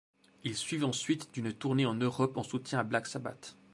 Ils suivent ensuite d'une tournée en Europe en soutien à Black Sabbath.